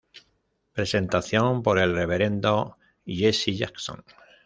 Presentación por el Reverendo Jesse Jackson